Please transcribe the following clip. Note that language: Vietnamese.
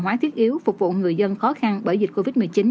hóa thiết yếu phục vụ người dân khó khăn bởi dịch covid một mươi chín